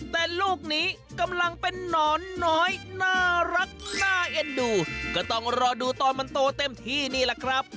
แต่ลูกนี้กำลังเป็นนอนน้อยน่ารักน่าเอ็นดูก็ต้องรอดูตอนมันโตเต็มที่นี่แหละครับ